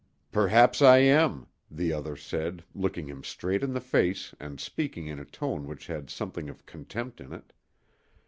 "Perhaps I am," the other said, looking him straight in the face and speaking in a tone which had something of contempt in it.